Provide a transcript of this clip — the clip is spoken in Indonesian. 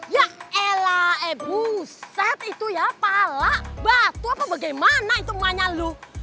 yah eh lah eh buset itu ya pala batu apa bagaimana itu emangnya lu